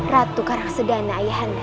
ratu karaksedana ayahanda